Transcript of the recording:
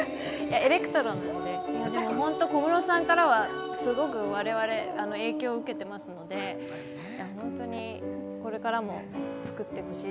エレクトロなんで、小室さんからはすごく我々、影響を受けていますので、これからも作ってほ